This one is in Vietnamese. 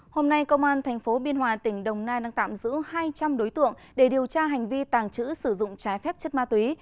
hôm nay công an tp biên hòa tỉnh đồng nai đang tạm giữ hai trăm linh đối tượng để điều tra hành vi tàng trữ sử dụng trái phép chất ma túy